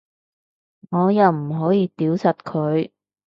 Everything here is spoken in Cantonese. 我又唔可以屌柒佢